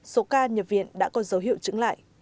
số ca nhập viện đã có dấu hiệu trứng lại